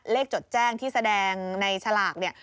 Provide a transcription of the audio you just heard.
จดแจ้งที่แสดงในฉลากเนี่ย